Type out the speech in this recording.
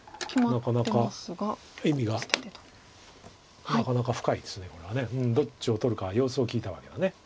なかなか意味がなかなか深いですこれは。どっちを取るか様子を聞いたわけだ。